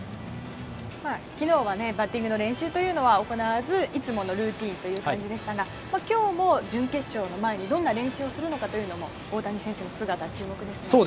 昨日はバッティングの練習というのは行わず、いつものルーティンという感じでしたが今日も準決勝を前にどんな練習をするのかというのも大谷選手の姿、注目ですね。